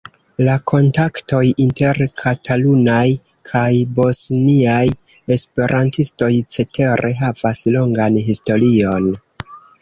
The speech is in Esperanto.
La kontaktoj inter katalunaj kaj bosniaj esperantistoj cetere havas longan historion.